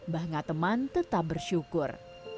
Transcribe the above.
banga teman tetap bersyukur